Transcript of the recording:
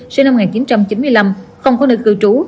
sinh năm một nghìn chín trăm chín mươi năm không có nơi cư trú